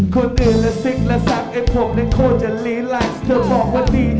คนอื่นและซิกและแซกไอ้ผมนั้นโคตรจะลีลัคซ์เธอบอกว่าดี